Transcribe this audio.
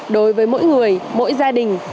đối với mỗi người mỗi gia đình